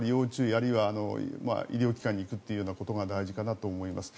あるいは医療機関に行くということが大事かと思います。